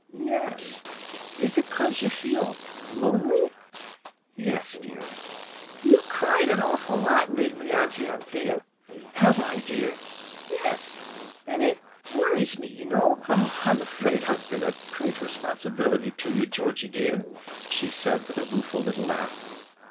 "Yes, is it 'cause you feel lonely?" "Yes dear." "You've cried an awful lot, lately, Auntie Anthea." "Have I, dear?" "Yes, an' it worries me, you know." "I'm afraid I've been a great responsibility to you, Georgy dear," said she with a rueful little laugh.